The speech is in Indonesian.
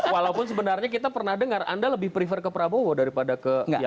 walaupun sebenarnya kita pernah dengar anda lebih prefer ke prabowo daripada ke yang lain